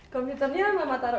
komputer ini lama lama taruh